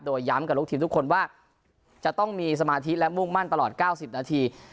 โดยย้ำกับลูกทีมทุกคนว่าจะต้องมีสมาธิและมุ่งมั่นตลอด๙๐นาที